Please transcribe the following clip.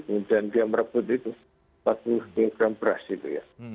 kemudian dia merebut itu empat puluh kg beras itu ya